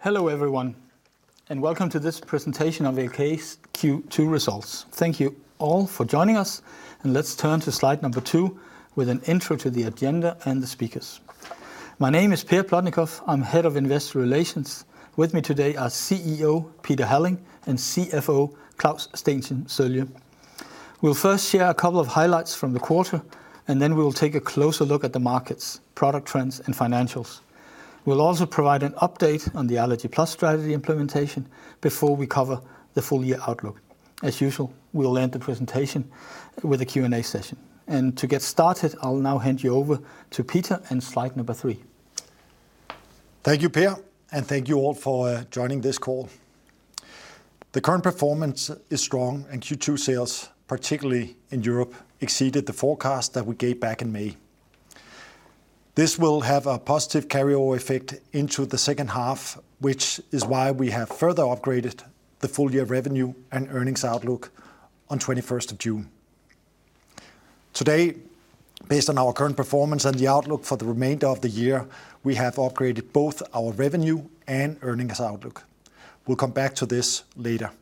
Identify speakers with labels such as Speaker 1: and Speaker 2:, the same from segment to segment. Speaker 1: Hello, everyone, and welcome to this presentation of ALK's Q2 results. Thank you all for joining us, and let's turn to slide number two with an intro to the agenda and the speakers. My name is Per Plotnikof. I'm Head of Investor Relations. With me today are CEO Peter Halling, and CFO Claus Steensen Sørlie. We'll first share a couple of highlights from the quarter, and then we will take a closer look at the markets, product trends, and financials. We'll also provide an update on the Allergy+ strategy implementation before we cover the full year outlook. As usual, we'll end the presentation with a Q&A session, and to get started, I'll now hand you over to Peter on slide number three.
Speaker 2: Thank you, Per, and thank you all for joining this call. The current performance is strong, and Q2 sales, particularly in Europe, exceeded the forecast that we gave back in May. This will have a positive carryover effect into the second half, which is why we have further upgraded the full year revenue and earnings outlook on 21st of June. Today, based on our current performance and the outlook for the remainder of the year, we have upgraded both our revenue and earnings outlook. We'll come back to this later.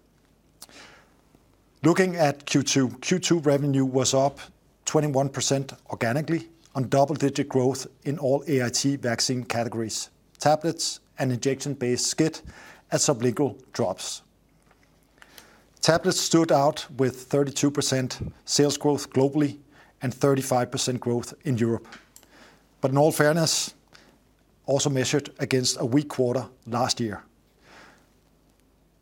Speaker 2: Looking at Q2, Q2 revenue was up 21% organically on double-digit growth in all AIT vaccine categories: tablets and injection-based SCIT, and sublingual drops. Tablets stood out with 32% sales growth globally and 35% growth in Europe, but in all fairness, also measured against a weak quarter last year.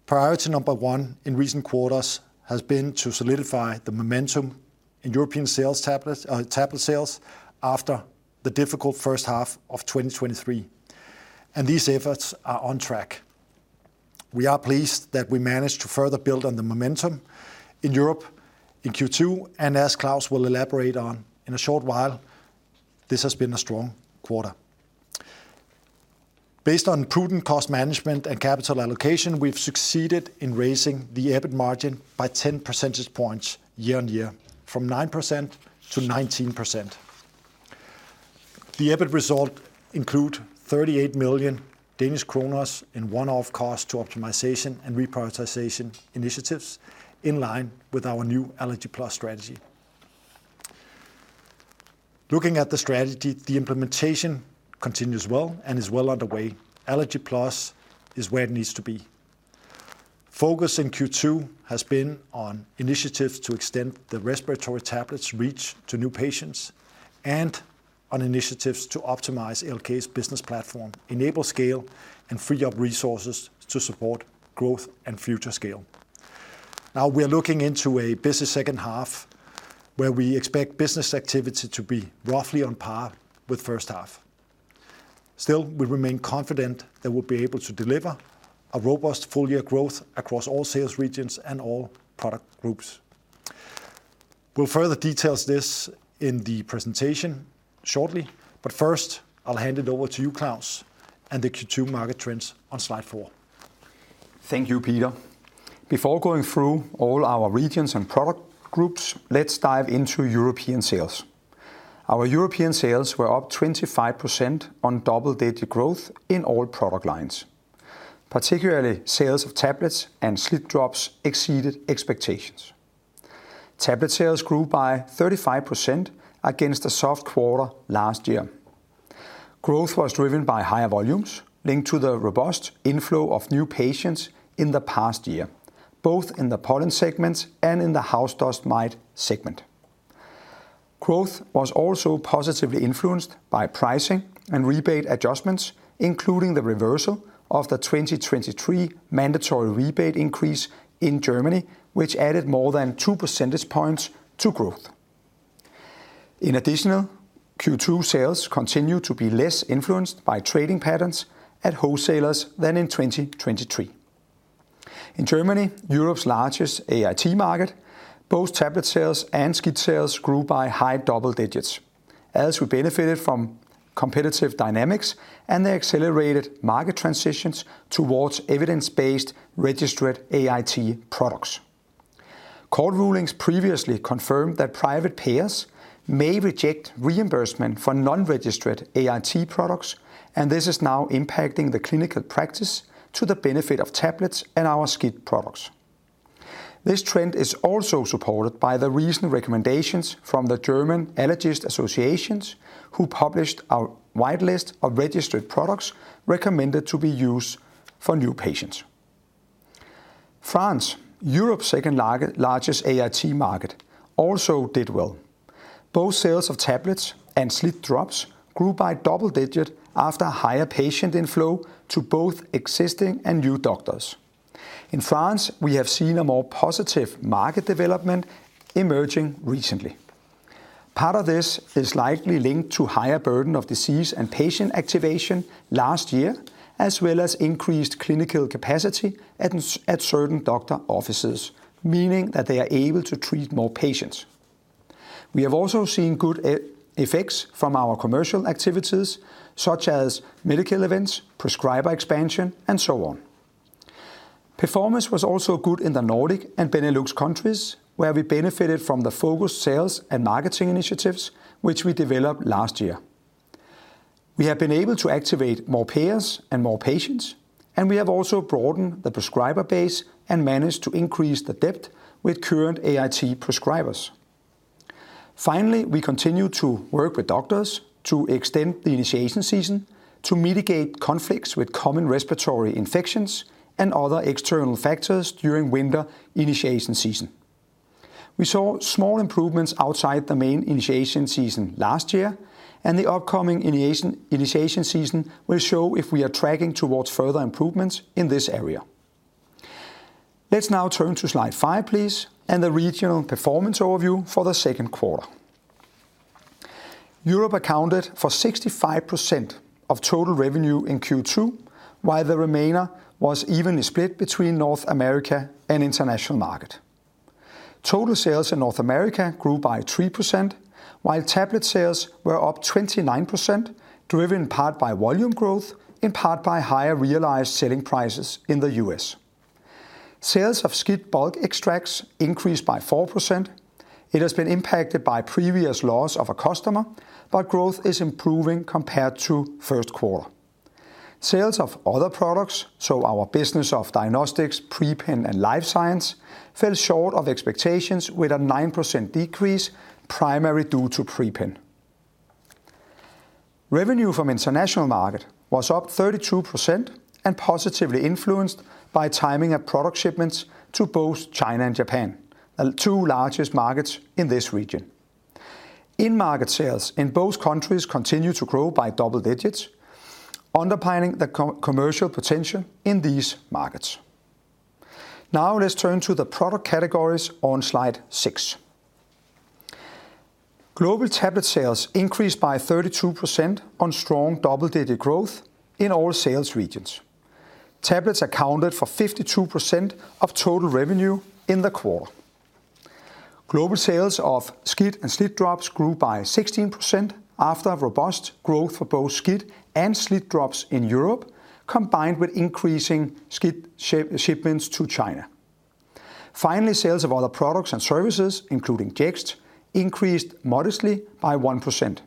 Speaker 2: Priority number one in recent quarters has been to solidify the momentum in European sales tablets, tablet sales after the difficult first half of 2023, and these efforts are on track. We are pleased that we managed to further build on the momentum in Europe in Q2, and as Claus will elaborate on in a short while, this has been a strong quarter. Based on prudent cost management and capital allocation, we've succeeded in raising the EBIT margin by 10% points year on year, from 9% to 19%. The EBIT result include 38 million Danish kroner in one-off cost to optimization and reprioritization initiatives, in line with our new Allergy+ strategy. Looking at the strategy, the implementation continues well and is well underway. Allergy+ is where it needs to be. Focus in Q2 has been on initiatives to extend the respiratory tablets reach to new patients and on initiatives to optimize ALK's business platform, enable scale, and free up resources to support growth and future scale. Now, we are looking into a busy second half, where we expect business activity to be roughly on par with first half. Still, we remain confident that we'll be able to deliver a robust full year growth across all sales regions and all product groups. We'll further detail this in the presentation shortly, but first, I'll hand it over to you, Claus, and the Q2 market trends on slide four.
Speaker 3: Thank you, Peter. Before going through all our regions and product groups, let's dive into European sales. Our European sales were up 25% on double-digit growth in all product lines. Particularly, sales of tablets and SLIT-drops exceeded expectations. Tablet sales grew by 35% against a soft quarter last year. Growth was driven by higher volumes linked to the robust inflow of new patients in the past year, both in the pollen segments and in the house dust mite segment. Growth was also positively influenced by pricing and rebate adjustments, including the reversal of the 2023 mandatory rebate increase in Germany, which added more than 2% points to growth. In addition, Q2 sales continue to be less influenced by trading patterns at wholesalers than in 2023. In Germany, Europe's largest AIT market, both tablet sales and SCIT sales grew by high double digits, as we benefited from competitive dynamics and the accelerated market transitions towards evidence-based registered AIT products. Court rulings previously confirmed that private payers may reject reimbursement for non-registered AIT products, and this is now impacting the clinical practice to the benefit of tablets and our SCIT products. This trend is also supported by the recent recommendations from the German Allergist Associations, who published a wide list of registered products recommended to be used for new patients. France, Europe's second largest AIT market, also did well. Both sales of tablets and SCIT drops grew by double digits after higher patient inflow to both existing and new doctors. In France, we have seen a more positive market development emerging recently. Part of this is likely linked to higher burden of disease and patient activation last year, as well as increased clinical capacity at certain doctor offices, meaning that they are able to treat more patients. We have also seen good effects from our commercial activities, such as medical events, prescriber expansion, and so on. Performance was also good in the Nordic and Benelux countries, where we benefited from the focused sales and marketing initiatives which we developed last year. We have been able to activate more payers and more patients, and we have also broadened the prescriber base and managed to increase the depth with current AIT prescribers. Finally, we continue to work with doctors to extend the initiation season to mitigate conflicts with common respiratory infections and other external factors during winter initiation season. We saw small improvements outside the main initiation season last year, and the upcoming initiation season will show if we are tracking towards further improvements in this area. Let's now turn to slide five, please, and the regional performance overview for the second quarter. Europe accounted for 65% of total revenue in Q2, while the remainder was evenly split between North America and international market. Total sales in North America grew by 3%, while tablet sales were up 29%, driven in part by volume growth, in part by higher realized selling prices in the U.S. sales of SCIT bulk extracts increased by 4%. It has been impacted by previous loss of a customer, but growth is improving compared to first quarter. Sales of other products, so our business of diagnostics, PRE-PEN, and life science, fell short of expectations with a 9% decrease, primarily due to PRE-PEN. Revenue from international market was up 32% and positively influenced by timing of product shipments to both China and Japan, the two largest markets in this region. In-market sales in both countries continue to grow by double digits, underpinning the commercial potential in these markets. Now let's turn to the product categories on slide six. Global tablet sales increased by 32% on strong double-digit growth in all sales regions. Tablets accounted for 52% of total revenue in the quarter. Global sales of SCIT and SLIT-drops grew by 16% after robust growth for both SCIT and SLIT-drops in Europe, combined with increasing SCIT shipments to China. Finally, sales of other products and services, including Jext, increased modestly by 1%.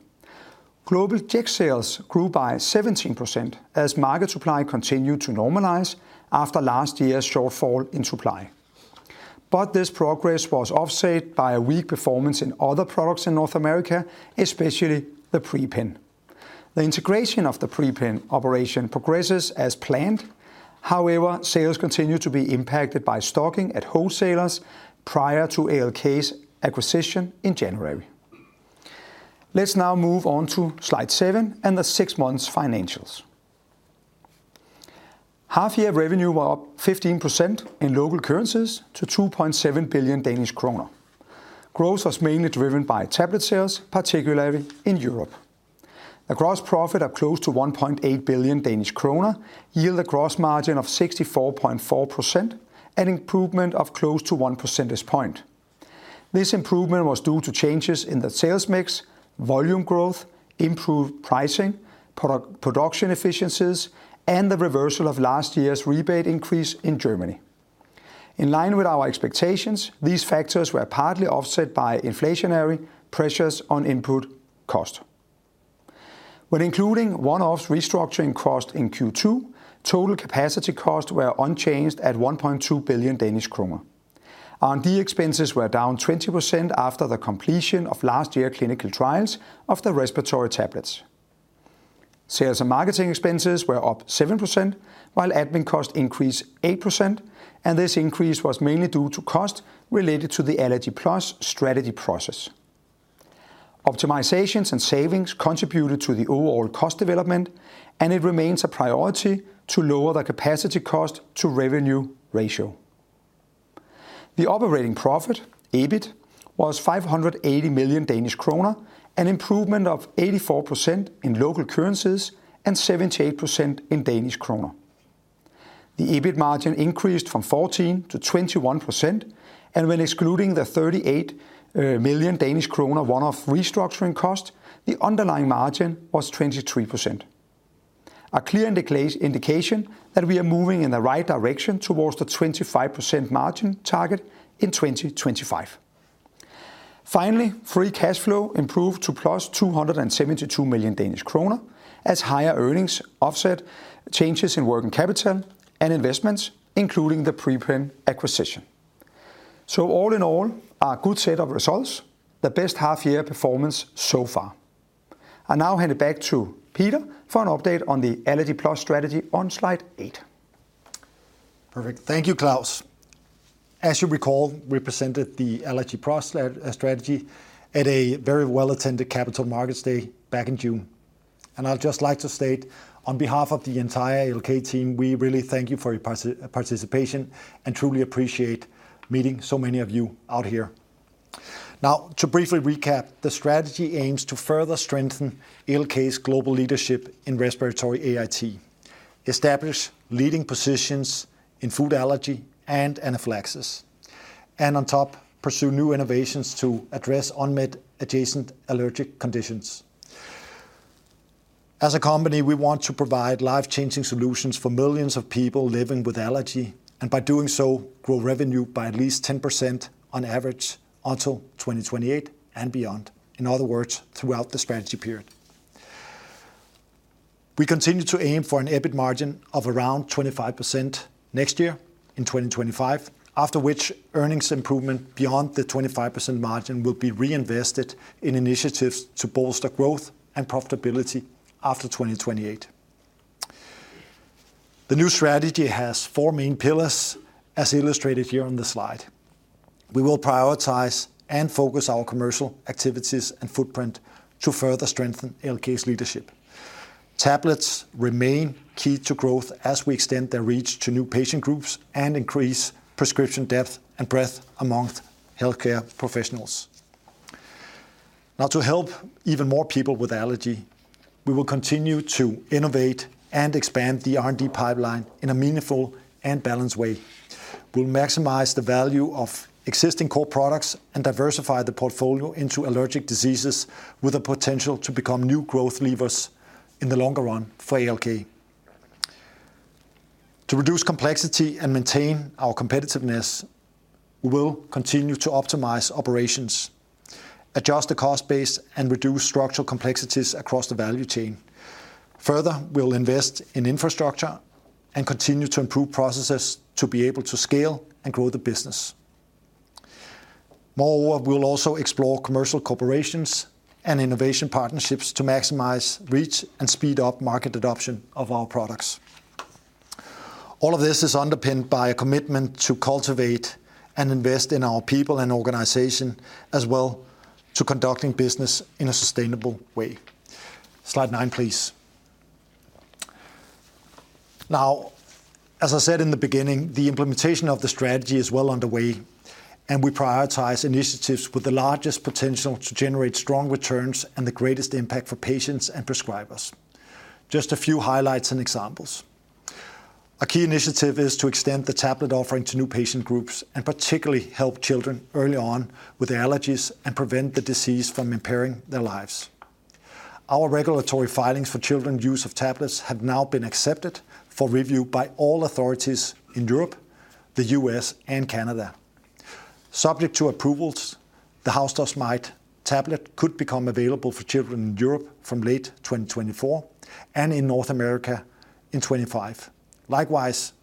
Speaker 3: Global Jext sales grew by 17%, as market supply continued to normalize after last year's shortfall in supply. But this progress was offset by a weak performance in other products in North America, especially the PRE-PEN. The integration of the PRE-PEN operation progresses as planned. However, sales continue to be impacted by stocking at wholesalers prior to ALK's acquisition in January. Let's now move on to slide seven and the six months financials. Half-year revenue were up 15% in local currencies to 2.7 billion Danish kroner. Growth was mainly driven by tablet sales, particularly in Europe. A gross profit of close to 1.8 billion Danish kroner yield a gross margin of 64.4%, an improvement of close to 1% point. This improvement was due to changes in the sales mix, volume growth, improved pricing, product production efficiencies, and the reversal of last year's rebate increase in Germany. In line with our expectations, these factors were partly offset by inflationary pressures on input cost. When including one-off restructuring cost in Q2, total capacity costs were unchanged at 1.2 billion Danish kroner. R&D expenses were down 20% after the completion of last year clinical trials of the respiratory tablets. Sales and marketing expenses were up 7%, while admin costs increased 8%, and this increase was mainly due to cost related to the Allergy+ strategy process. Optimizations and savings contributed to the overall cost development, and it remains a priority to lower the capacity cost to revenue ratio. The operating profit, EBIT, was 580 million Danish kroner, an improvement of 84% in local currencies and 78% in Danish kroner. The EBIT margin increased from 14% to 21%, and when excluding the 38 million Danish kroner one-off restructuring cost, the underlying margin was 23%, a clear indication that we are moving in the right direction towards the 25% margin target in 2025. Finally, free cash flow improved to plus 272 million Danish kroner, as higher earnings offset changes in working capital and investments, including the PRE-PEN acquisition. So all in all, a good set of results, the best half-year performance so far. I now hand it back to Peter for an update on the Allergy+ strategy on slide eight.
Speaker 2: Perfect. Thank you, Claus. As you recall, we presented the Allergy+ strategy at a very well-attended Capital Markets Day back in June, and I'd just like to state, on behalf of the entire ALK team, we really thank you for your participation and truly appreciate meeting so many of you out here. Now, to briefly recap, the strategy aims to further strengthen ALK's global leadership in respiratory AIT, establish leading positions in food allergy and anaphylaxis, and on top, pursue new innovations to address unmet adjacent allergic conditions. As a company, we want to provide life-changing solutions for millions of people living with allergy, and by doing so, grow revenue by at least 10% on average until 2028 and beyond, in other words, throughout the strategy period. We continue to aim for an EBIT margin of around 25% next year, in 2025, after which earnings improvement beyond the 25% margin will be reinvested in initiatives to bolster growth and profitability after 2028. The new strategy has four main pillars, as illustrated here on the slide. We will prioritize and focus our commercial activities and footprint to further strengthen ALK's leadership. Tablets remain key to growth as we extend their reach to new patient groups and increase prescription depth and breadth among healthcare professionals. Now, to help even more people with allergy, we will continue to innovate and expand the R&D pipeline in a meaningful and balanced way. We'll maximize the value of existing core products and diversify the portfolio into allergic diseases with the potential to become new growth levers in the longer run for ALK. To reduce complexity and maintain our competitiveness, we will continue to optimize operations, adjust the cost base, and reduce structural complexities across the value chain. Further, we'll invest in infrastructure and continue to improve processes to be able to scale and grow the business. Moreover, we'll also explore commercial corporations and innovation partnerships to maximize reach and speed up market adoption of our products. All of this is underpinned by a commitment to cultivate and invest in our people and organization, as well to conducting business in a sustainable way. Slide nine, please. Now, as I said in the beginning, the implementation of the strategy is well underway, and we prioritize initiatives with the largest potential to generate strong returns and the greatest impact for patients and prescribers. Just a few highlights and examples: A key initiative is to extend the tablet offering to new patient groups, and particularly help children early on with allergies and prevent the disease from impairing their lives. Our regulatory filings for children's use of tablets have now been accepted for review by all authorities in Europe, the U.S., and Canada. Subject to approvals, the house dust mite tablet could become available for children in Europe from late 2024 and in North America in 2025. Likewise,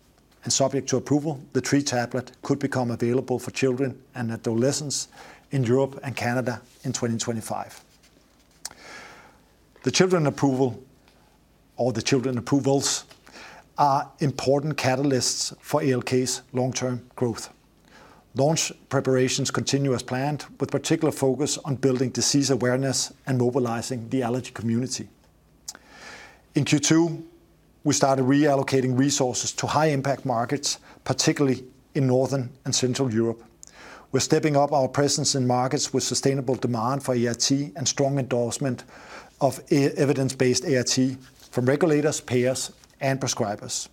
Speaker 2: and subject to approval, the tree tablet could become available for children and adolescents in Europe and Canada in 2025. The children's approval or the children's approvals are important catalysts for ALK's long-term growth. Launch preparations continue as planned, with particular focus on building disease awareness and mobilizing the allergy community. In Q2, we started reallocating resources to high-impact markets, particularly in Northern and Central Europe. We're stepping up our presence in markets with sustainable demand for AIT and strong endorsement of evidence-based AIT from regulators, payers, and prescribers.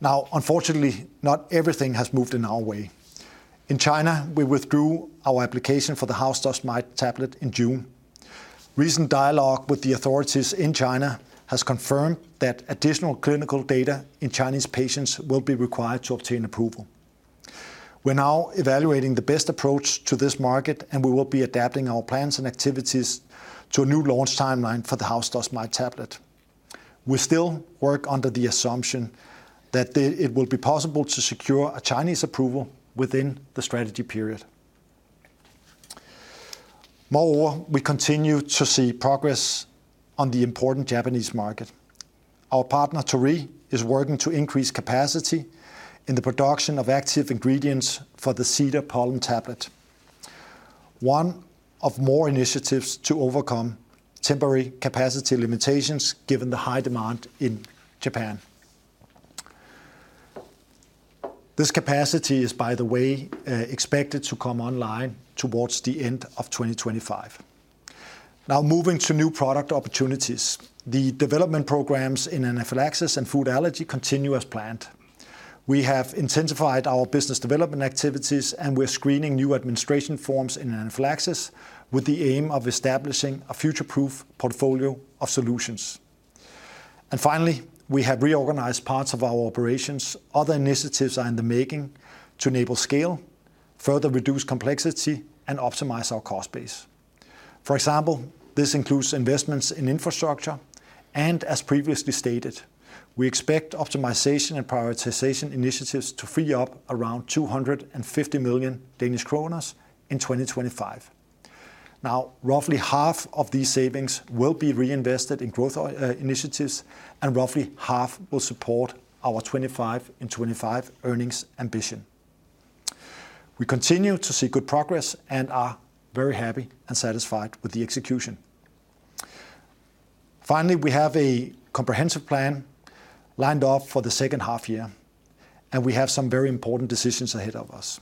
Speaker 2: Now, unfortunately, not everything has moved in our way. In China, we withdrew our application for the house dust mite tablet in June. Recent dialogue with the authorities in China has confirmed that additional clinical data in Chinese patients will be required to obtain approval. We're now evaluating the best approach to this market, and we will be adapting our plans and activities to a new launch timeline for the house dust mite tablet. We still work under the assumption that it will be possible to secure a Chinese approval within the strategy period. Moreover, we continue to see progress on the important Japanese market. Our partner, Torii, is working to increase capacity in the production of active ingredients for the cedar pollen tablet, one or more initiatives to overcome temporary capacity limitations given the high demand in Japan. This capacity is, by the way, expected to come online towards the end of 2025. Now, moving to new product opportunities. The development programs in anaphylaxis and food allergy continue as planned. We have intensified our business development activities, and we're screening new administration forms in anaphylaxis with the aim of establishing a future-proof portfolio of solutions. Finally, we have reorganized parts of our operations. Other initiatives are in the making to enable scale, further reduce complexity, and optimize our cost base. For example, this includes investments in infrastructure, and as previously stated, we expect optimization and prioritization initiatives to free up around 250 million Danish kroner in 2025. Now, roughly half of these savings will be reinvested in growth initiatives, and roughly half will support our 25 in 25 earnings ambition. We continue to see good progress and are very happy and satisfied with the execution. Finally, we have a comprehensive plan lined up for the second half year, and we have some very important decisions ahead of us.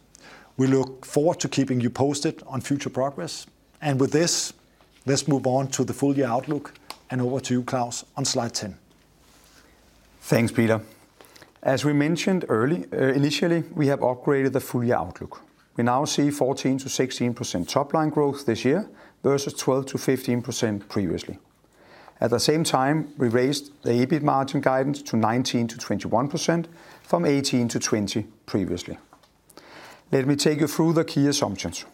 Speaker 2: We look forward to keeping you posted on future progress, and with this, let's move on to the full year outlook, and over to you, Claus, on slide ten.
Speaker 3: Thanks, Peter. As we mentioned early, initially, we have upgraded the full year outlook. We now see 14-16% top line growth this year, versus 12-15% previously. At the same time, we raised the EBIT margin guidance to 19-21% from 18-20% previously. Let me take you through the key assumptions.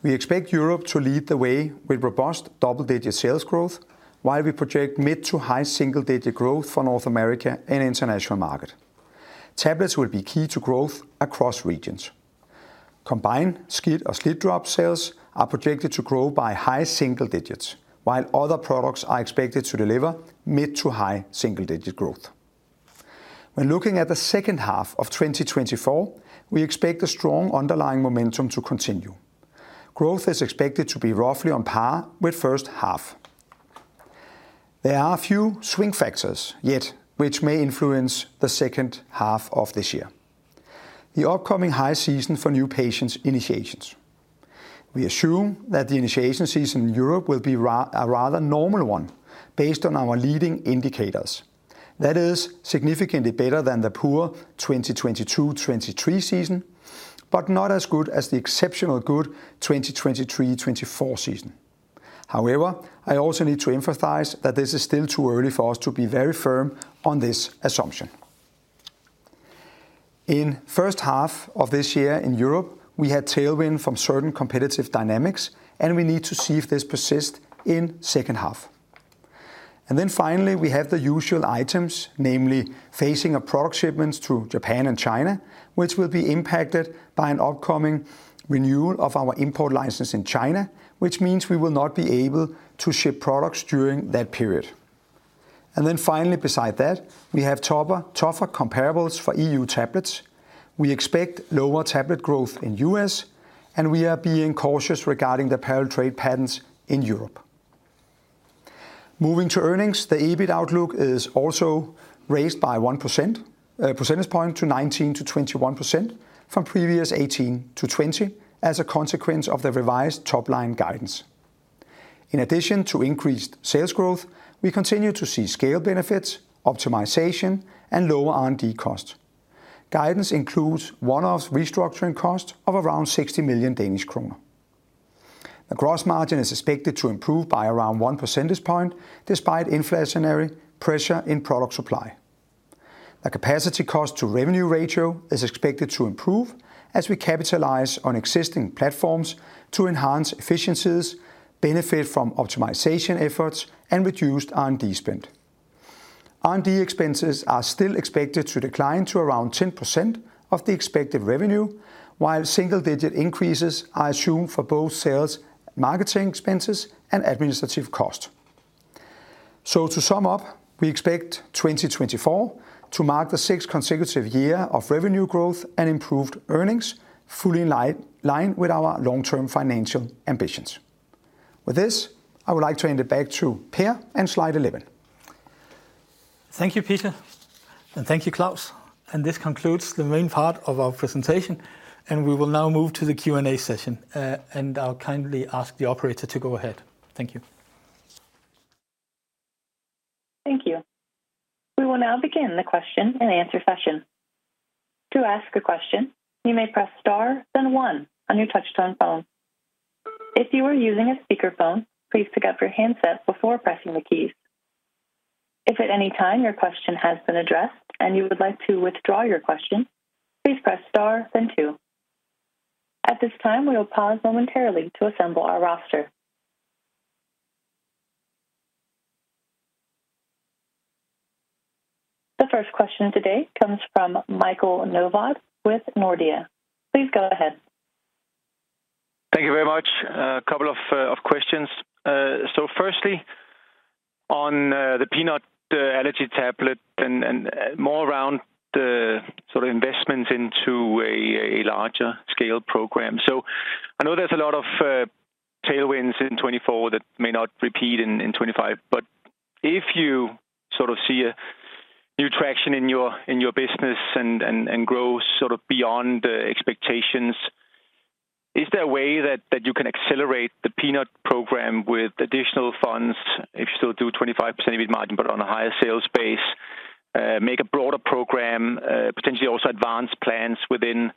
Speaker 3: We expect Europe to lead the way with robust double-digit sales growth, while we project mid to high single-digit growth for North America and international market. Tablets will be key to growth across regions. Combined SCIT or SLIT-drop sales are projected to grow by high single digits, while other products are expected to deliver mid to high single-digit growth. When looking at the second half of 2024, we expect the strong underlying momentum to continue. Growth is expected to be roughly on par with first half. There are a few swing factors which may influence the second half of this year. The upcoming high season for new patients initiations. We assume that the initiation season in Europe will be a rather normal one based on our leading indicators. That is significantly better than the poor 2022-2023 season, but not as good as the exceptionally good 2023-2024 season. However, I also need to emphasize that this is still too early for us to be very firm on this assumption. In first half of this year in Europe, we had tailwind from certain competitive dynamics, and we need to see if this persists in second half. And then finally, we have the usual items, namely phasing of product shipments to Japan and China, which will be impacted by an upcoming renewal of our import license in China, which means we will not be able to ship products during that period. And then finally, beside that, we have tougher comparables for EU tablets. We expect lower tablet growth in US, and we are being cautious regarding the parallel trade patterns in Europe. Moving to earnings, the EBIT outlook is also raised by 1% point to 19%-21% from previous 18%-20%, as a consequence of the revised top-line guidance. In addition to increased sales growth, we continue to see scale benefits, optimization, and lower R&D costs. Guidance includes one-off restructuring cost of around 60 million Danish kroner. The gross margin is expected to improve by around 1% point, despite inflationary pressure in product supply. The capacity cost to revenue ratio is expected to improve as we capitalize on existing platforms to enhance efficiencies, benefit from optimization efforts, and reduced R&D spend. R&D expenses are still expected to decline to around 10% of the expected revenue, while single-digit increases are assumed for both sales, marketing expenses, and administrative costs. So to sum up, we expect 2024 to mark the sixth consecutive year of revenue growth and improved earnings, fully in line with our long-term financial ambitions. With this, I would like to hand it back to Per on slide 11.
Speaker 1: Thank you, Peter, and thank you, Claus, and this concludes the main part of our presentation, and we will now move to the Q&A session, and I'll kindly ask the operator to go ahead. Thank you.
Speaker 4: Thank you. We will now begin the question and answer session. To ask a question, you may press Star, then One on your touchtone phone. If you are using a speakerphone, please pick up your handset before pressing the keys. If at any time your question has been addressed and you would like to withdraw your question, please press Star, then Two. At this time, we will pause momentarily to assemble our roster. The first question of the day comes from Michael Novod with Nordea. Please go ahead.
Speaker 5: Thank you very much. A couple of questions. So firstly, on the peanut allergy tablet and more around the sort of investments into a larger scale program. So I know there's a lot of tailwinds in 24 that may not repeat in 25, but if you sort of see a new traction in your business and grow sort of beyond the expectations, is there a way that you can accelerate the peanut program with additional funds if you still do 25% EBIT margin, but on a higher sales base, make a broader program, potentially also advance plans within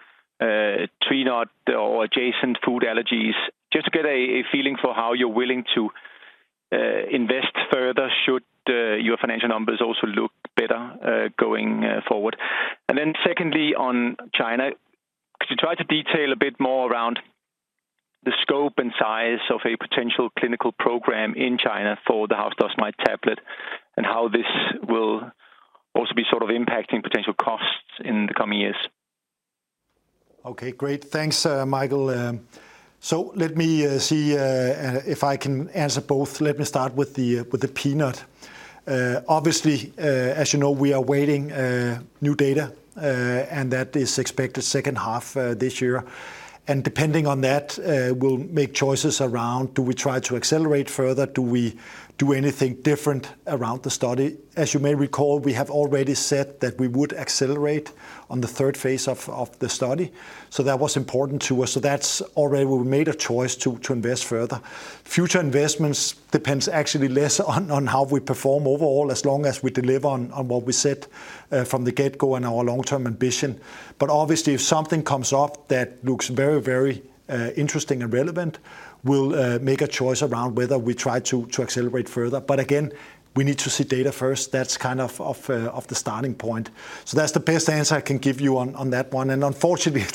Speaker 5: tree nut or adjacent food allergies? Just to get a feeling for how you're willing to invest further, should your financial numbers also look better going forward. Secondly, on China, could you try to detail a bit more around the scope and size of a potential clinical program in China for the house dust mite tablet, and how this will also be sort of impacting potential costs in the coming years?
Speaker 3: Okay, great. Thanks, Michael. So let me see if I can answer both. Let me start with the peanut. Obviously, as you know, we are waiting new data, and that is expected second half this year. And depending on that, we'll make choices around do we try to accelerate further? Do we do anything different around the study? As you may recall, we have already said that we would accelerate on the third phase of the study, so that was important to us. So that's already we made a choice to invest further. Future investments depends actually less on how we perform overall, as long as we deliver on what we said from the get-go and our long-term ambition. But obviously, if something comes up that looks very, very interesting and relevant, we'll make a choice around whether we try to accelerate further. But again, we need to see data first. That's kind of the starting point. So that's the best answer I can give you on that one, and unfortunately,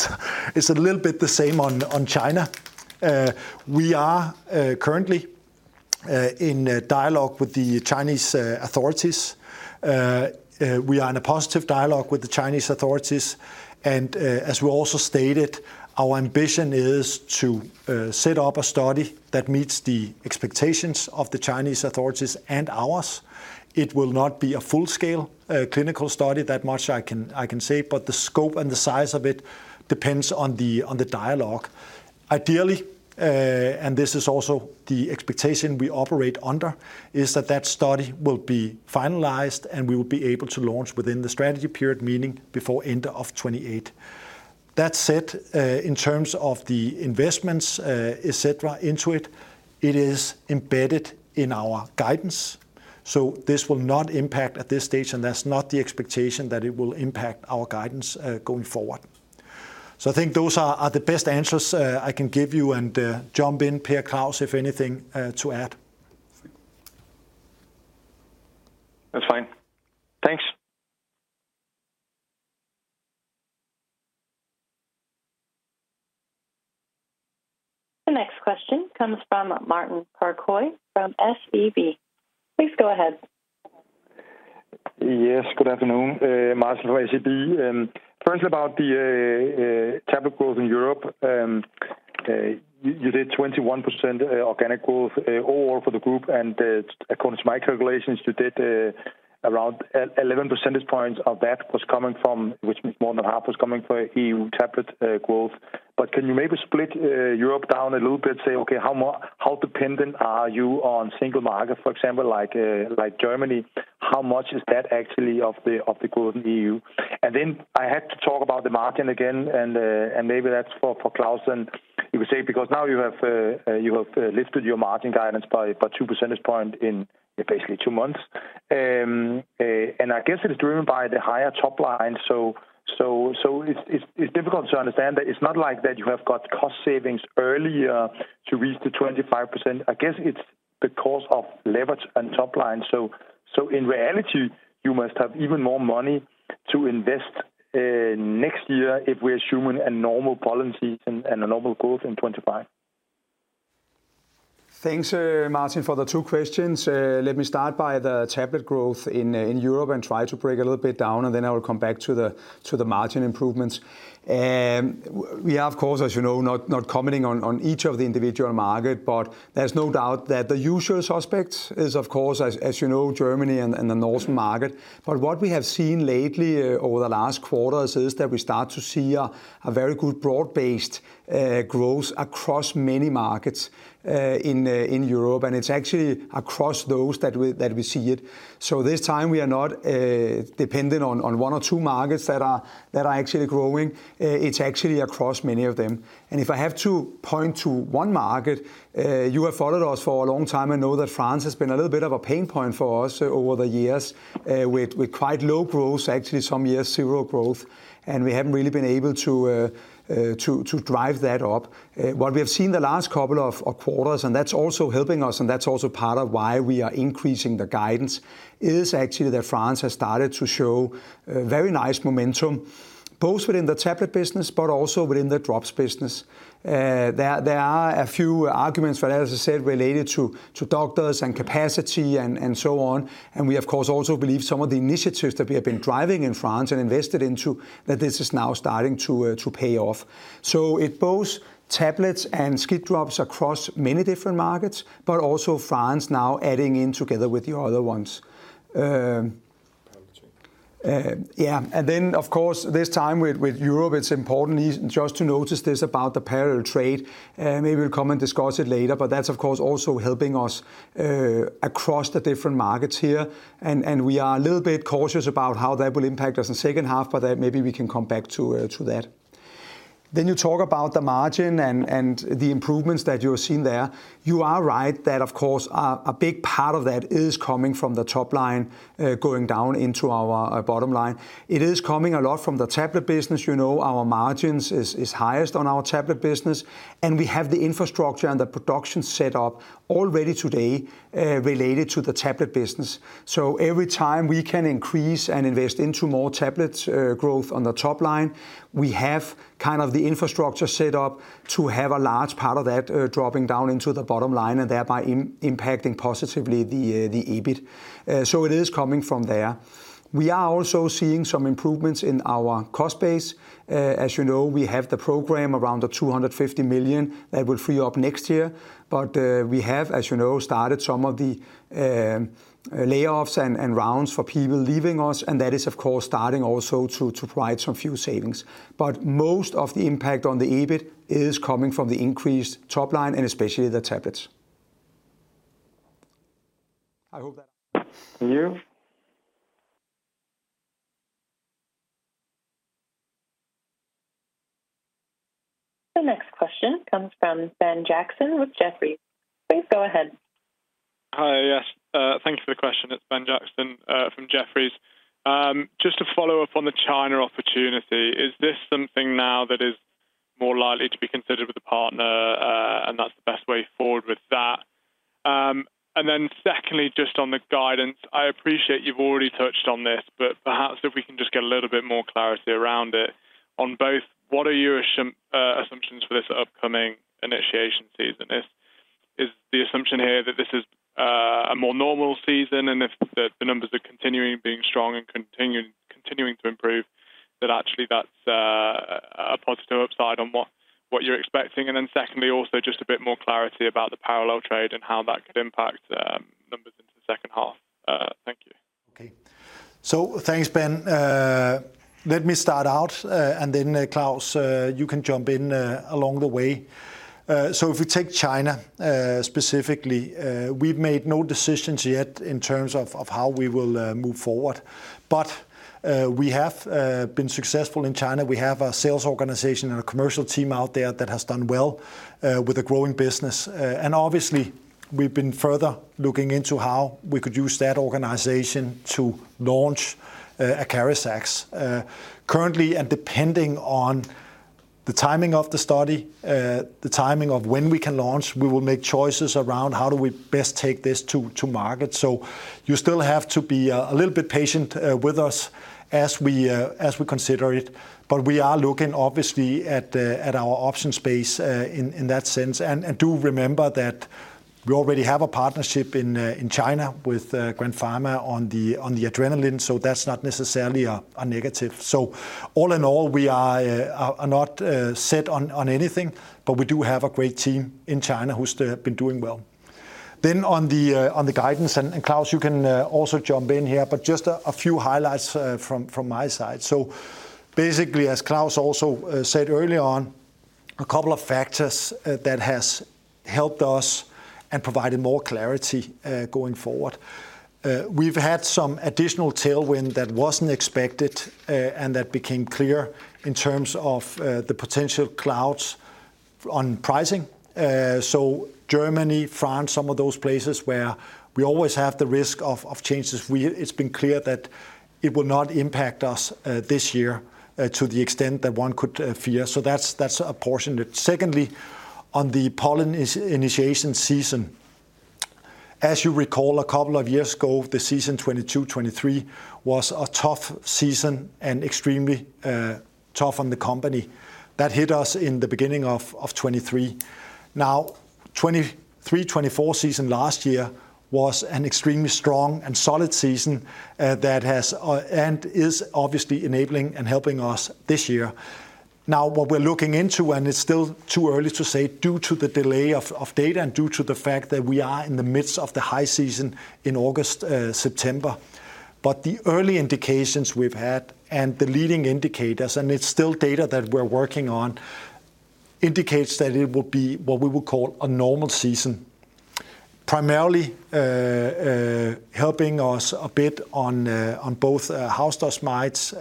Speaker 3: it's a little bit the same on China. We are currently in dialogue with the Chinese authorities. We are in a positive dialogue with the Chinese authorities, and as we also stated, our ambition is to set up a study that meets the expectations of the Chinese authorities and ours. It will not be a full-scale clinical study, that much I can say, but the scope and the size of it depends on the dialogue. Ideally, and this is also the expectation we operate under, is that that study will be finalized, and we will be able to launch within the strategy period, meaning before end of 2028. That said, in terms of the investments, et cetera, into it, it is embedded in our guidance, so this will not impact at this stage, and that's not the expectation that it will impact our guidance, going forward. So I think those are the best answers I can give you, and jump in, Plotnikof, if anything, to add.
Speaker 5: That's fine. Thanks.
Speaker 4: The next question comes from Martin Parkhøi from SEB. Please go ahead.
Speaker 6: Yes, good afternoon. Martin from SEB, and first, about the tablet growth in Europe, you did 21% organic growth overall for the group, and according to my calculations, you did around 11% points of that was coming from, which means more than half was coming from EU tablet growth. But can you maybe split Europe down a little bit, say, okay, how dependent are you on single market, for example, like, like Germany, how much is that actually of the growth in EU? And then I have to talk about the margin again, and maybe that's for Claus, and you would say, because now you have lifted your margin guidance by 2% point in basically two months. I guess it is driven by the higher top line, so it's difficult to understand that. It's not like that you have got cost savings earlier to reach the 25%. I guess it's because of leverage and top line. So in reality, you must have even more money to invest next year if we're assuming a normal policy and a normal growth in 2025.
Speaker 3: Thanks, Martin, for the two questions. Let me start by the tablet growth in Europe and try to break a little bit down, and then I will come back to the margin improvements. We are, of course, as you know, not commenting on each of the individual market, but there's no doubt that the usual suspects is, of course, as you know, Germany and the Nordic market. But what we have seen lately over the last quarters is that we start to see a very good broad-based growth across many markets in Europe, and it's actually across those that we see it. So this time, we are not dependent on one or two markets that are actually growing. It's actually across many of them. And if I have to point to one market, you have followed us for a long time and know that France has been a little bit of a pain point for us over the years, with quite low growth, actually some years zero growth, and we haven't really been able to drive that up. What we have seen the last couple of quarters, and that's also helping us, and that's also part of why we are increasing the guidance, is actually that France has started to show very nice momentum, both within the tablet business but also within the drops business. There are a few arguments for that, as I said, related to doctors and capacity and so on, and we, of course, also believe some of the initiatives that we have been driving in France and invested into, that this is now starting to pay off, so it both tablets and SLIT drops across many different markets, but also France now adding in together with the other ones.
Speaker 6: Parallel trade.
Speaker 3: Yeah, and then, of course, this time with Europe, it's important just to notice this about the parallel trade, and maybe we'll come and discuss it later, but that's, of course, also helping us across the different markets here, and we are a little bit cautious about how that will impact us in the second half, but then maybe we can come back to that. Then you talk about the margin and the improvements that you're seeing there. You are right that, of course, a big part of that is coming from the top line going down into our bottom line. It is coming a lot from the tablet business. You know, our margins is highest on our tablet business, and we have the infrastructure and the production set up already today related to the tablet business. So every time we can increase and invest into more tablets, growth on the top line, we have kind of the infrastructure set up to have a large part of that, dropping down into the bottom line and thereby impacting positively the EBIT. So it is coming from there. We are also seeing some improvements in our cost base. As you know, we have the program around the 250 million that will free up next year, but we have, as you know, started some of the layoffs and rounds for people leaving us, and that is, of course, starting also to provide some few savings. But most of the impact on the EBIT is coming from the increased top line and especially the tablets....
Speaker 6: I hope that you-
Speaker 4: The next question comes from Ben Jackson with Jefferies. Please go ahead.
Speaker 7: Hi. Yes, thank you for the question. It's Ben Jackson from Jefferies. Just to follow up on the China opportunity, is this something now that is more likely to be considered with a partner, and that's the best way forward with that? And then secondly, just on the guidance, I appreciate you've already touched on this, but perhaps if we can just get a little bit more clarity around it. On both, what are your assumptions for this upcoming initiation season? Is the assumption here that this is a more normal season, and if the numbers are continuing being strong and continuing to improve, that actually that's a positive upside on what you're expecting? And then, secondly, also just a bit more clarity about the parallel trade and how that could impact numbers into the second half? Thank you.
Speaker 2: Okay. So thanks, Ben. Let me start out, and then, Claus, you can jump in along the way. So if we take China specifically, we've made no decisions yet in terms of how we will move forward. But we have been successful in China. We have a sales organization and a commercial team out there that has done well with a growing business. And obviously, we've been further looking into how we could use that organization to launch ACARIZAX. Currently, and depending on the timing of the study, the timing of when we can launch, we will make choices around how do we best take this to market. So you still have to be a little bit patient with us as we consider it, but we are looking obviously at our option space in that sense. And do remember that we already have a partnership in China with Grand Pharma on the adrenaline, so that's not necessarily a negative. So all in all, we are not set on anything, but we do have a great team in China who's been doing well. Then on the guidance, and Claus, you can also jump in here, but just a few highlights from my side. So basically, as Claus also said early on, a couple of factors that has helped us and provided more clarity going forward. We've had some additional tailwind that wasn't expected, and that became clear in terms of the potential clouds on pricing, so Germany, France, some of those places where we always have the risk of changes, it's been clear that it will not impact us this year to the extent that one could fear, so that's a portion. Secondly, on the pollen initiation season, as you recall, a couple of years ago, the season 2022, 2023 was a tough season and extremely tough on the company. That hit us in the beginning of 2023. Now, 2023, 2024 season last year was an extremely strong and solid season that has and is obviously enabling and helping us this year. Now, what we're looking into, and it's still too early to say due to the delay of data and due to the fact that we are in the midst of the high season in August, September, but the early indications we've had and the leading indicators, and it's still data that we're working on, indicates that it will be what we would call a normal season. Primarily, helping us a bit on both house dust mites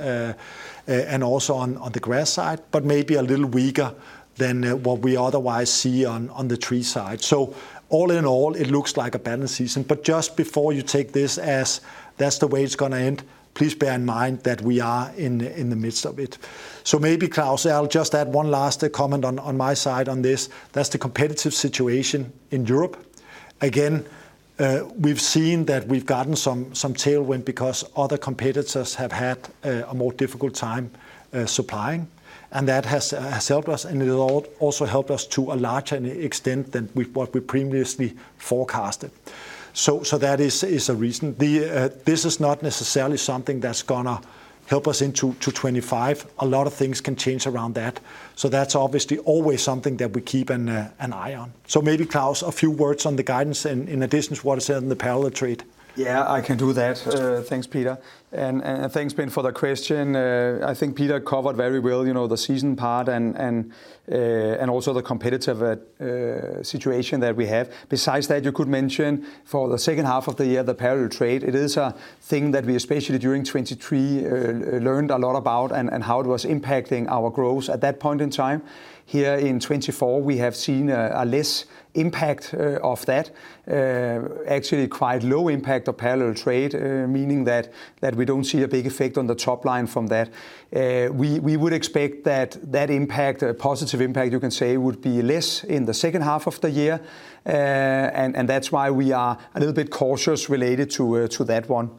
Speaker 2: and also on the grass side, but maybe a little weaker than what we otherwise see on the tree side. So all in all, it looks like a better season, but just before you take this as that's the way it's gonna end, please bear in mind that we are in the midst of it. So maybe, Claus, I'll just add one last comment on my side on this. That's the competitive situation in Europe. Again, we've seen that we've gotten some tailwind because other competitors have had a more difficult time supplying, and that has helped us, and it will also help us to a larger extent than we previously forecasted. So that is a reason. This is not necessarily something that's gonna help us into 2025. A lot of things can change around that. So that's obviously always something that we keep an eye on. So maybe, Claus, a few words on the guidance and in addition to what is said in the parallel trade.
Speaker 3: Yeah, I can do that. Thanks, Peter, and thanks, Ben, for the question. I think Peter covered very well, you know, the season part and also the competitive situation that we have. Besides that, you could mention for the second half of the year, the parallel trade. It is a thing that we, especially during 2023, learned a lot about and how it was impacting our growth at that point in time. Here in 2024, we have seen a less impact of that, actually quite low impact of parallel trade, meaning that we don't see a big effect on the top line from that. We would expect that impact, a positive impact, you can say, would be less in the second half of the year, and that's why we are a little bit cautious related to that one.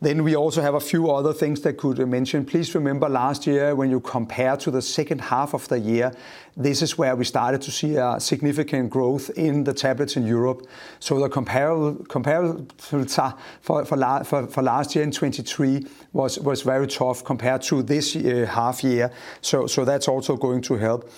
Speaker 3: Then we also have a few other things that could mention. Please remember last year, when you compare to the second half of the year, this is where we started to see a significant growth in the tablets in Europe. So the comparable for last year in 2023 was very tough compared to this half year. So that's also going to help.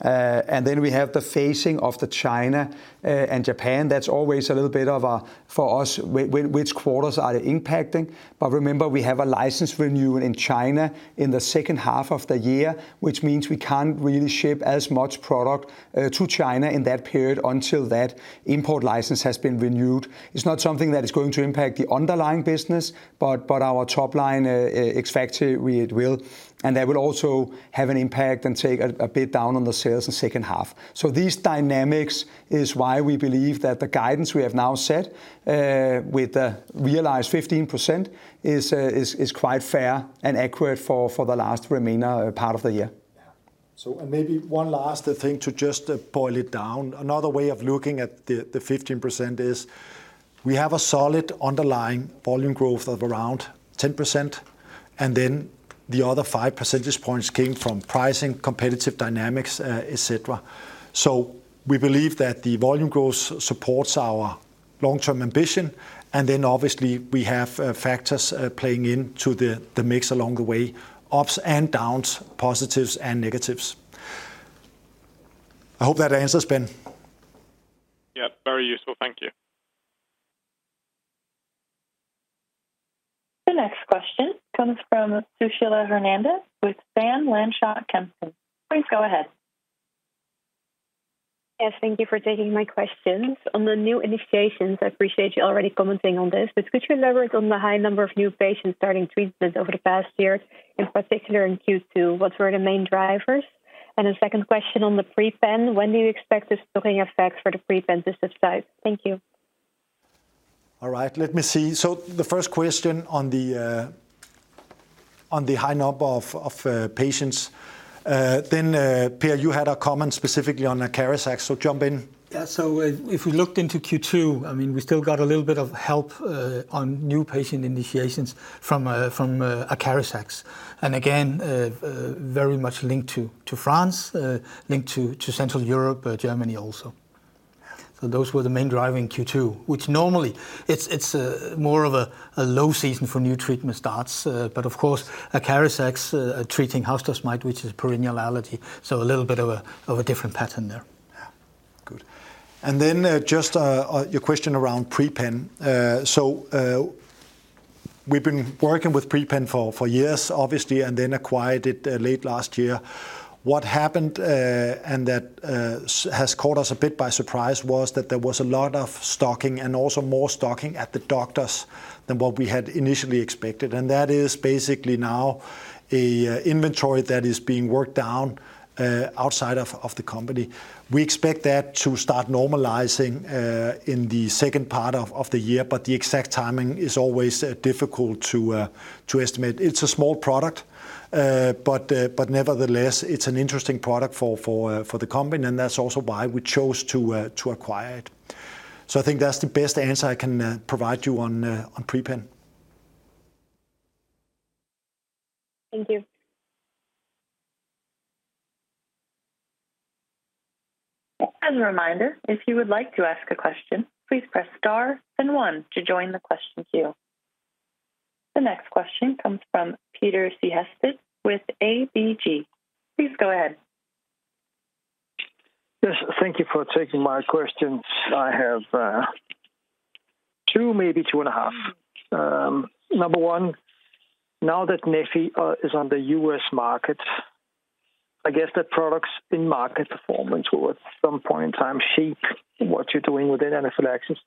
Speaker 3: And then we have the phasing of China and Japan. That's always a little bit of a, for us, which quarters are impacting. But remember, we have a license renewal in China in the second half of the year, which means we can't really ship as much product to China in that period until that import license has been renewed. It's not something that is going to impact the underlying business, but our top line expected it will, and that will also have an impact and take a bit down on the sales in second half. So these dynamics is why we believe that the guidance we have now set with the realized 15% is quite fair and accurate for the last remainder part of the year.
Speaker 2: So and maybe one last thing to just boil it down. Another way of looking at the 15% is, we have a solid underlying volume growth of around 10%, and then the other 5% points came from pricing, competitive dynamics, et cetera. So we believe that the volume growth supports our long-term ambition, and then obviously, we have factors playing in to the mix along the way, ups and downs, positives and negatives. I hope that answers, Ben.
Speaker 7: Yeah, very useful. Thank you.
Speaker 4: The next question comes from Sushila Hernandez with Bank Van Lanschot Kempen. Please go ahead.
Speaker 8: Yes, thank you for taking my questions. On the new initiations, I appreciate you already commenting on this, but could you elaborate on the high number of new patients starting treatment over the past year, in particular in Q2, what were the main drivers? And the second question on the PRE-PEN, when do you expect the stocking effect for the PRE-PEN to subside? Thank you.
Speaker 2: All right. Let me see. So the first question on the high number of patients, then, Per, you had a comment specifically on ACARIZAX, so jump in.
Speaker 1: Yeah. So if we looked into Q2, I mean, we still got a little bit of help on new patient initiations from ACARIZAX, and again, very much linked to France, linked to Central Europe, Germany also. So those were the main drive in Q2, which normally it's more of a low season for new treatment starts, but of course, ACARIZAX treating house dust mite, which is perennial allergy, so a little bit of a different pattern there.
Speaker 2: Yeah. Good. And then, just on your question around PRE-PEN. So, we've been working with PRE-PEN for years, obviously, and then acquired it late last year. What happened, and that has caught us a bit by surprise, was that there was a lot of stocking and also more stocking at the doctors than what we had initially expected, and that is basically now an inventory that is being worked down outside of the company. We expect that to start normalizing in the second part of the year, but the exact timing is always difficult to estimate. It's a small product, but nevertheless, it's an interesting product for the company, and that's also why we chose to acquire it. So I think that's the best answer I can provide you on PRE-PEN.
Speaker 8: Thank you.
Speaker 4: As a reminder, if you would like to ask a question, please press star and one to join the question queue. The next question comes from Peter Sehested with ABG. Please go ahead.
Speaker 9: Yes, thank you for taking my questions. I have two, maybe two and a half. Number one, now that Neffy is on the U.S. market, I guess that product's in-market performance will, at some point in time, shape what you're doing within anaphylaxis.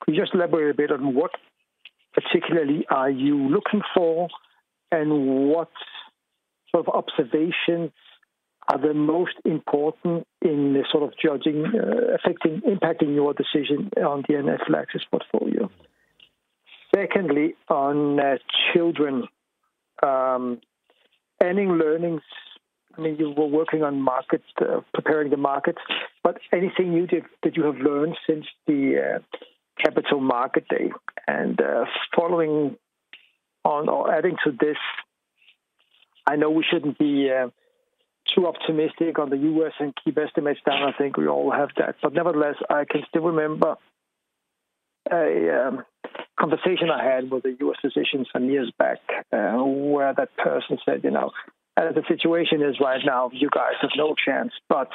Speaker 9: Could you just elaborate a bit on what particularly are you looking for, and what sort of observations are the most important in sort of judging affecting impacting your decision on the anaphylaxis portfolio? Secondly, on children, any learnings? I mean, you were working on markets, preparing the markets, but anything new that you have learned since the Capital Markets Day? Following on or adding to this, I know we shouldn't be too optimistic on the US and keep estimates down. I think we all have that, but nevertheless, I can still remember a conversation I had with a US physician some years back, where that person said, "You know, as the situation is right now, you guys have no chance, but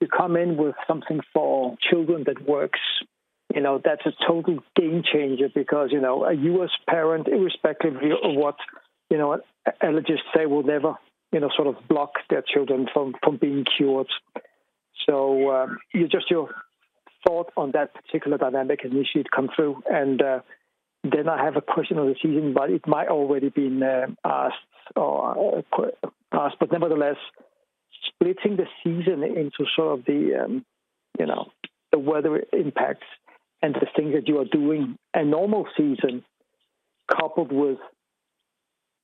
Speaker 9: you come in with something for children that works, you know, that's a total game changer," because, you know, a US parent, irrespectively of what, you know, allergists, they will never, you know, sort of block their children from being cured. So, just your thought on that particular dynamic initiative come through. And then I have a question on the season, but it might already been asked, but nevertheless, splitting the season into sort of the, you know, the weather impacts and the things that you are doing a normal season, coupled with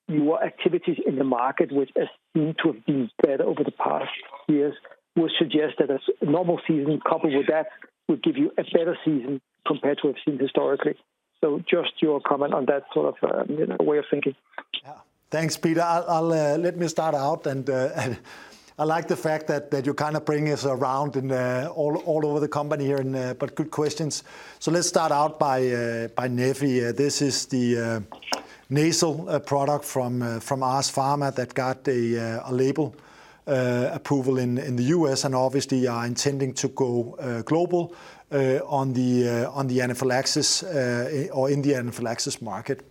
Speaker 9: your activities in the market, which seem to have been better over the past years, would suggest that a normal season coupled with that would give you a better season compared to what you've seen historically. So just your comment on that sort of, you know, way of thinking.
Speaker 2: Yeah. Thanks, Peter. Let me start out, and I like the fact that you kind of bring us around in all over the company here, and but good questions. So let's start out by Neffy. This is the nasal product from ARS Pharma that got a label approval in the U.S. and obviously are intending to go global on the anaphylaxis or in the anaphylaxis market.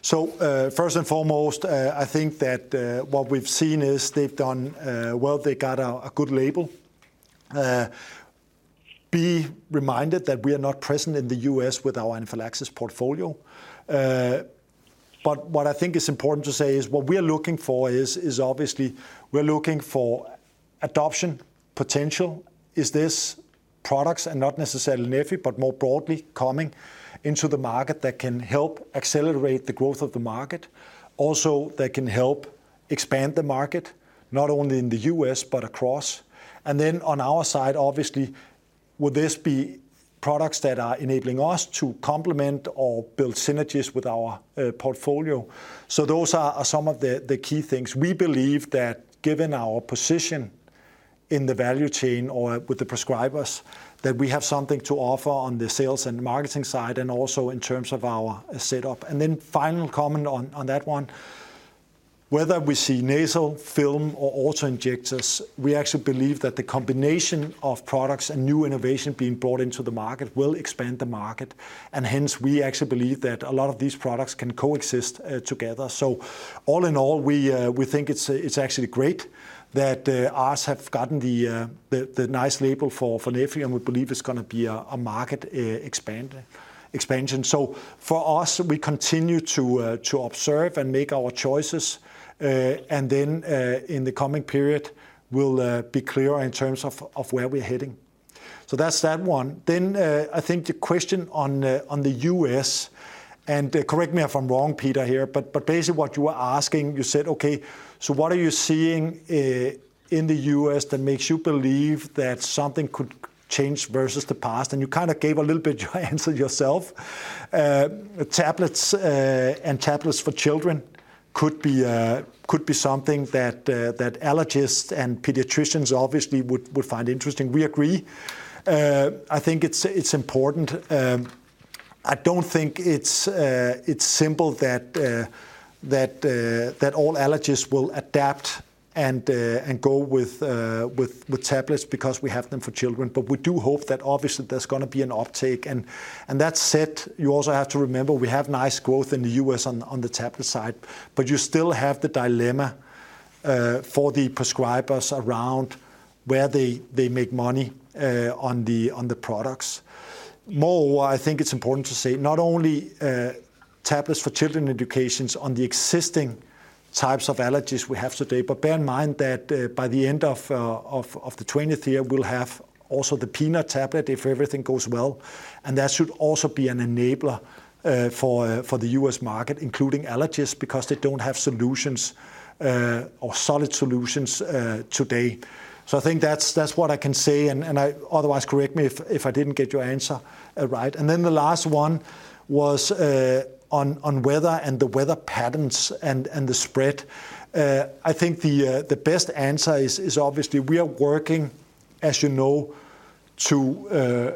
Speaker 2: So, first and foremost, I think that what we've seen is they've done well, they got a good label. Be reminded that we are not present in the U.S. with our anaphylaxis portfolio. But what I think is important to say is what we are looking for is obviously we're looking for adoption potential. Is this products and not necessarily Neffy, but more broadly coming into the market that can help accelerate the growth of the market. Also, that can help expand the market, not only in the U.S., but across. And then on our side, obviously, would this be products that are enabling us to complement or build synergies with our portfolio. So those are some of the key things. We believe that given our position in the value chain or with the prescribers, that we have something to offer on the sales and marketing side, and also in terms of our setup. And then final comment on that one, whether we see nasal, film or auto-injectors, we actually believe that the combination of products and new innovation being brought into the market will expand the market, and hence, we actually believe that a lot of these products can coexist together. So all in all, we think it's actually great that U.S. has gotten the nice label for Neffy, and we believe it's gonna be a market expansion. So for us, we continue to observe and make our choices, and then in the coming period, we'll be clear in terms of where we're heading. So that's that one. Then I think the question on the US, and correct me if I'm wrong, Peter, here, but basically what you were asking, you said, "Okay, so what are you seeing in the US that makes you believe that something could change versus the past?" And you kind of gave a little bit your answer yourself. Tablets, and tablets for children could be something that allergists and pediatricians obviously would find interesting. We agree. I think it's important. I don't think it's simple that all allergists will adapt and go with tablets because we have them for children. But we do hope that obviously there's gonna be an uptake, and that said, you also have to remember, we have nice growth in the U.S. on the tablet side, but you still have the dilemma for the prescribers around where they make money on the products. Moreover, I think it's important to say not only tablets for children indications on the existing types of allergies we have today, but bear in mind that by the end of the 2020s, we'll have also the peanut tablet, if everything goes well, and that should also be an enabler for the U.S. market, including allergists, because they don't have solutions or solid solutions today. So I think that's what I can say, and I otherwise, correct me if I didn't get your answer right, and then the last one was on weather and the weather patterns and the spread. I think the best answer is obviously we are working, as you know, to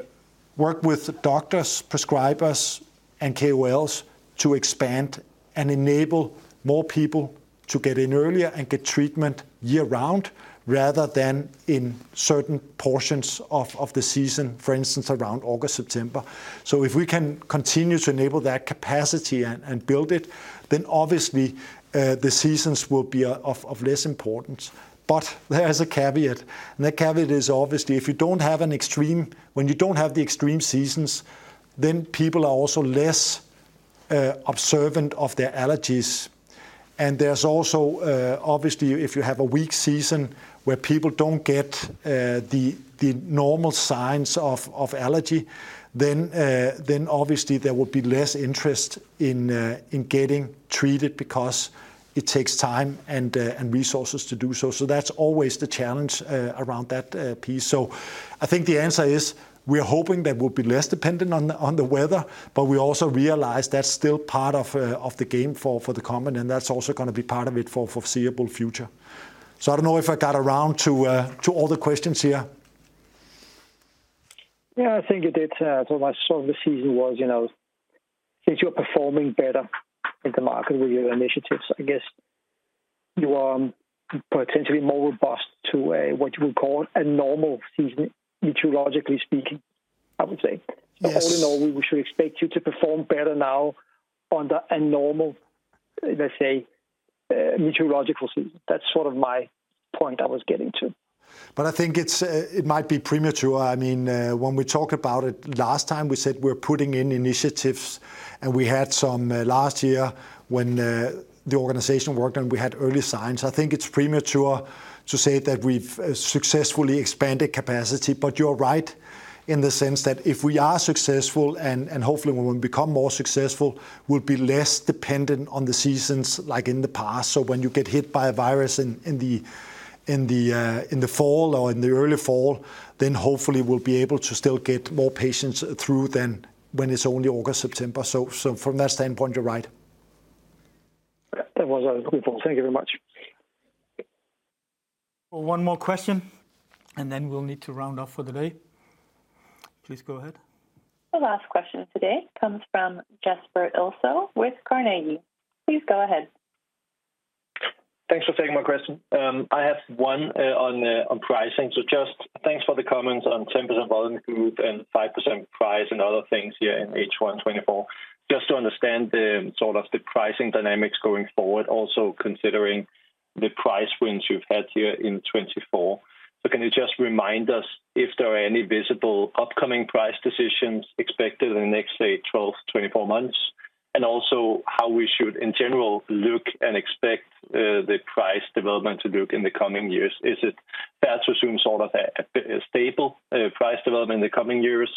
Speaker 2: work with doctors, prescribers, and KOLs to expand and enable more people to get in earlier and get treatment year-round, rather than in certain portions of the season, for instance, around August, September, so if we can continue to enable that capacity and build it, then obviously the seasons will be of less importance, but there is a caveat, and the caveat is obviously, if you don't have an extreme, when you don't have the extreme seasons, then people are also less observant of their allergies. And there's also, obviously, if you have a weak season where people don't get the normal signs of allergy, then obviously there will be less interest in getting treated because it takes time and resources to do so. So that's always the challenge around that piece. So I think the answer is, we're hoping that we'll be less dependent on the weather, but we also realize that's still part of the game for the common, and that's also gonna be part of it for foreseeable future. So I don't know if I got around to all the questions here.
Speaker 9: Yeah, I think you did. So my sort of the season was, you know, since you're performing better in the market with your initiatives, I guess you are potentially more robust to a, what you would call a normal season, meteorologically speaking, I would say.
Speaker 2: Yes.
Speaker 9: All in all, we should expect you to perform better now under a normal, let's say, meteorological season. That's sort of my point I was getting to.
Speaker 2: But I think it's, it might be premature. I mean, when we talked about it last time, we said we're putting in initiatives, and we had some last year when the organization worked, and we had early signs. I think it's premature to say that we've successfully expanded capacity, but you're right in the sense that if we are successful, and hopefully we will become more successful, we'll be less dependent on the seasons like in the past. So when you get hit by a virus in the fall or in the early fall, then hopefully we'll be able to still get more patients through than when it's only August, September. So from that standpoint, you're right.
Speaker 9: That was what I was looking for. Thank you very much.
Speaker 1: One more question, and then we'll need to round off for the day. Please go ahead.
Speaker 4: The last question today comes from Jesper Ilsøe with Carnegie. Please go ahead.
Speaker 10: Thanks for taking my question. I have one on pricing. So just thanks for the comments on 10% volume growth and 5% price and other things here in H1 2024. Just to understand the sort of pricing dynamics going forward, also considering the price wins you've had here in 2024. So can you just remind us if there are any visible upcoming price decisions expected in the next, say, 12 to 24 months? And also how we should, in general, look and expect the price development to look in the coming years. Is it best to assume sort of a stable price development in the coming years?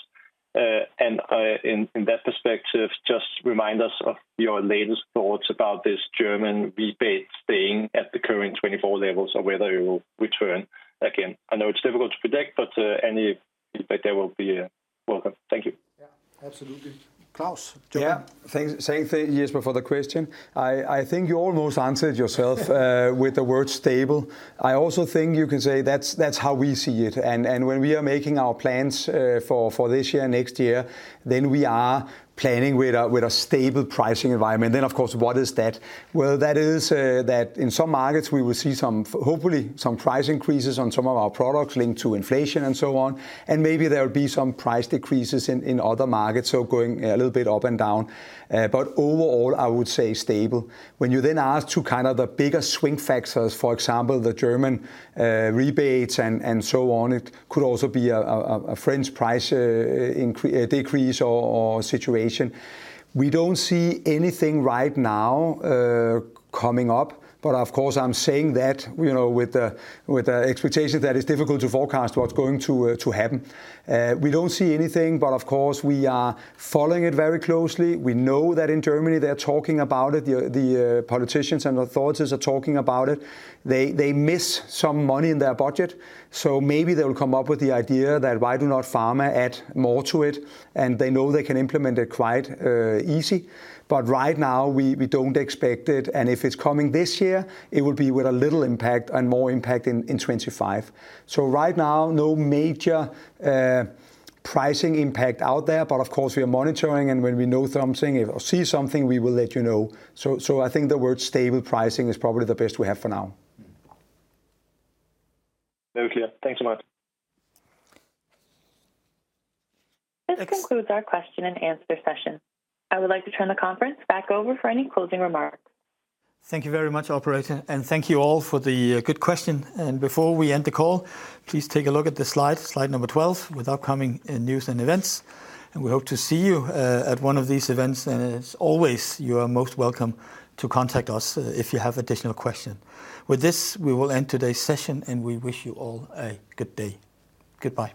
Speaker 10: And in that perspective, just remind us of your latest thoughts about this German rebate staying at the current 24 levels or whether it will return again. I know it's difficult to predict, but any feedback there will be welcome. Thank you.
Speaker 1: Yeah, absolutely. Claus, jump in.
Speaker 3: Yeah. Thanks. Thank you, Jesper, for the question. I think you almost answered yourself with the word stable. I also think you can say that's how we see it, and when we are making our plans for this year, next year, then we are planning with a stable pricing environment. Then, of course, what is that? Well, that is that in some markets we will see some, hopefully some price increases on some of our products linked to inflation and so on, and maybe there will be some price decreases in other markets, so going a little bit up and down. But overall, I would say stable. When you then ask to kind of the bigger swing factors, for example, the German rebates and so on, it could also be a French price increase-decrease or situation. We don't see anything right now coming up, but of course, I'm saying that, you know, with the expectation that it's difficult to forecast what's going to happen. We don't see anything, but of course, we are following it very closely. We know that in Germany they're talking about it. The politicians and authorities are talking about it. They miss some money in their budget, so maybe they will come up with the idea that why do not pharma add more to it? And they know they can implement it quite easy. But right now, we don't expect it, and if it's coming this year, it will be with a little impact and more impact in 25. So right now, no major pricing impact out there. But of course, we are monitoring, and when we know something or see something, we will let you know. So I think the word stable pricing is probably the best we have for now.
Speaker 10: Very clear. Thanks so much.
Speaker 4: This concludes our question-and-answer session. I would like to turn the conference back over for any closing remarks.
Speaker 1: Thank you very much, operator, and thank you all for the good question. And before we end the call, please take a look at the slide, slide number 12, with upcoming news and events, and we hope to see you at one of these events. And as always, you are most welcome to contact us if you have additional question. With this, we will end today's session, and we wish you all a good day. Goodbye.